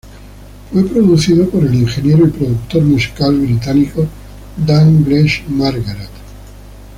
Fue producido por el ingeniero y productor musical británico Dan Grech-Marguerat.